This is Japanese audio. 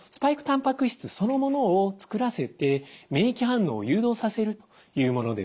たんぱく質そのものを作らせて免疫反応を誘導させるというものです。